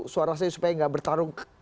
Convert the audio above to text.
suara saya supaya nggak bertarung